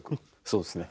そうですね。